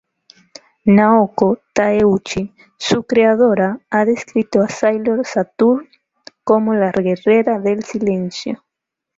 Naoko Takeuchi, su creadora, ha descrito a Sailor Saturn como la "Guerrera del Silencio".